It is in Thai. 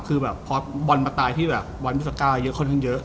คือแบบพอบรรประตายที่แบบบวนพิศักดาเยอะคนขึ้นเยอะ